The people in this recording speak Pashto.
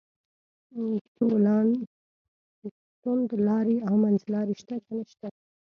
توندلاري او منځلاري شته که نشته.